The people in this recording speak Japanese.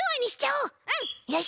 うん！よし！